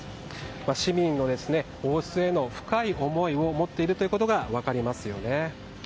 市民が王室への深い思いを持っているということが分かりますよね。